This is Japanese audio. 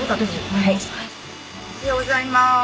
おはようございます。